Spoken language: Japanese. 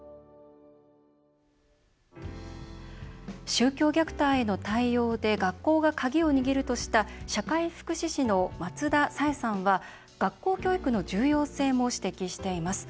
宗教虐待への対応で学校が鍵を握るとした社会福祉士の松田彩絵さんは学校教育の重要性も指摘しています。